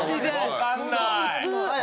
わかんない。